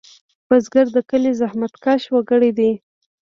بزګر د کلي زحمتکش وګړی دی